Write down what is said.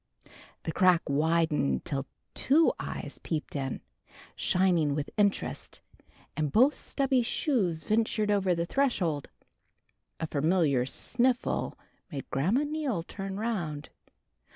The crack widened till two eyes peeped in, shining with interest, and both stubby shoes ventured over the threshold. A familiar sniffle made Grandma Neal turn around.